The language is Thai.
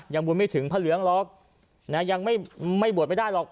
บุญไม่ถึงพระเหลืองหรอกนะยังไม่บวชไม่ได้หรอก